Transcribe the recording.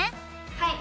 はい！